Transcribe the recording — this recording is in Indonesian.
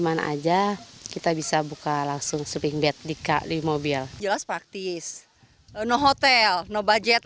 mana aja kita bisa buka langsung sering diedita dillobile jelas praktis enuh hotel no budget